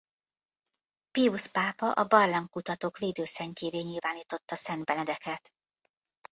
Piusz pápa a barlangkutatók védőszentjévé nyilvánította Szent Benedeket.